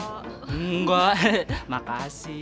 eh enggak makasih